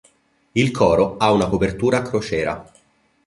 Il coro ha una copertura a crociera.